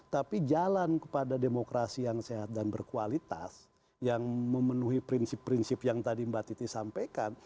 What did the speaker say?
tapi jalan kepada demokrasi yang sehat dan berkualitas yang memenuhi prinsip prinsip yang tadi mbak titi sampaikan